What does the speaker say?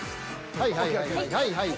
はいはいはいはいはい。